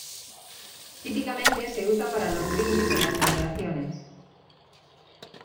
Típicamente se usa para los brindis en las celebraciones.